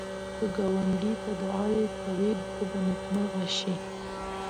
که ګاونډي ته دعایې کوې، ته به نېکمرغه شې